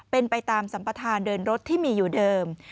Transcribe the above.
เป็นไปตามสัมประธานเดินรถที่มีอยู่เดิม